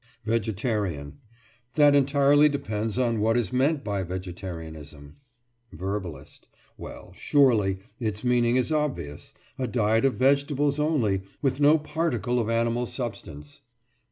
VEGETARIAN: That entirely depends on what is meant by "vegetarianism." VERBALIST: Well, surely its meaning is obvious—a diet of vegetables only, with no particle of animal substance.